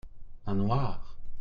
un noir.